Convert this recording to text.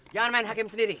jangan main hak kita